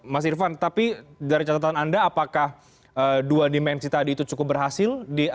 mas irvan tapi dari catatan anda apakah dua dimensi tadi itu cukup berhasil